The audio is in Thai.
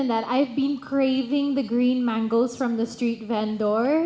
และอีกอีกอย่างผมก็ชอบแมงโก้สแมนท์ที่บริเวณแวนดอร์